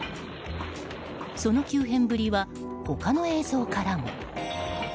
その急変ぶりは他の映像からも。